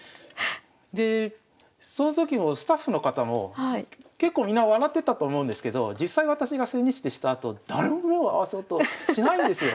でその時もスタッフの方も結構みんな笑ってたと思うんですけど実際私が千日手したあと誰も目を合わせようとしないんですよ。